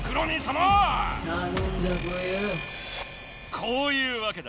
こういうわけだ。